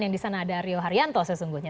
yang di sana ada rio haryanto sesungguhnya